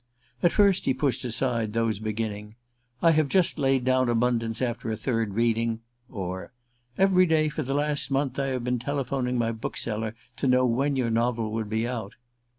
At first he pushed aside those beginning: "I have just laid down 'Abundance' after a third reading," or: "Every day for the last month I have been telephoning my bookseller to know when your novel would be out."